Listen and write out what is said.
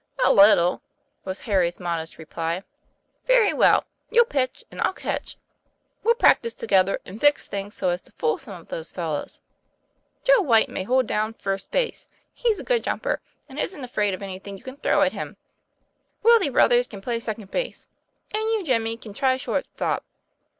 "A little," was Harry's modest reply. "Very well; you'll pitch and I'll catch. We'll practise together and fix things so as to fool some of those fellows. Joe Whyte may hold down first base; he's a good jumper, and isn't afraid of any thing you can throw at him. Willie Ruthers can play second base, and you, Jimmy, can try short stop.